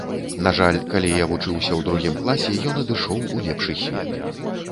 На жаль, калі я вучыўся ў другім класе, ён адышоў у лепшы свет.